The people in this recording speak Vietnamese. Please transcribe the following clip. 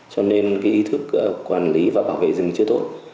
cho nên ý thức quản lý và bảo vệ rừng chưa tốt